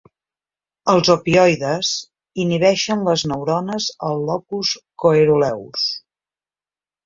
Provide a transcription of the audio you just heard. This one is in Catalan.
Els opioides inhibeixen les neurones al locus coeruleus.